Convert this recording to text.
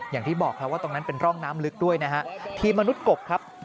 อย่างที่บอกครับว่าตรงนั้นเป็นร่องน้ำลึกด้วยนะฮะทีมมนุษย์กบครับ